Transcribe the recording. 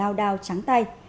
cảnh lào đao trắng tay